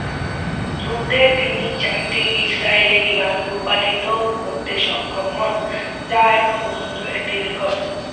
যুদ্ধে তিনি চারটি ইসরায়েলি বিমান ভূপাতিত করতে সক্ষম হন, যা এখন পর্যন্ত একটি রেকর্ড।